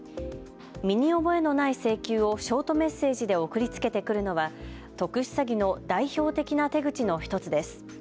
身に覚えのない請求をショートメッセージで送りつけてくるのは特殊詐欺の代表的な手口の１つです。